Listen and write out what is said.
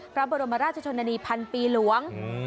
พระบรมราชชนนานีพันปีหลวง